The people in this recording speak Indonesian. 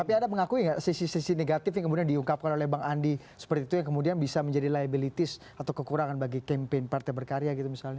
tapi anda mengakui nggak sisi sisi negatif yang kemudian diungkapkan oleh bang andi seperti itu yang kemudian bisa menjadi liabilities atau kekurangan bagi campaign partai berkarya gitu misalnya